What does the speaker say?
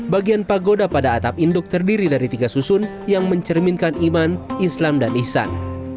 bagian pagoda pada atap induk terdiri dari tiga susun yang mencerminkan iman islam dan ihsan